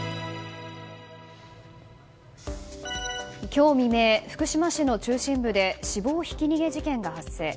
今日未明、福島市の中心部で死亡ひき逃げ事件が発生。